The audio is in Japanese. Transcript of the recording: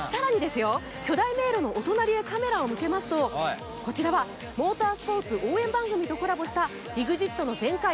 巨大迷路のお隣りへカメラを向けますとこちらはモータースポーツ応援番組とコラボしたＥＸＩＴの全開！！